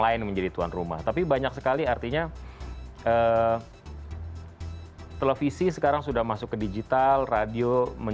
lain menjadi tuan rumah tapi banyak sekali artinya televisi sekarang sudah masuk ke digital radio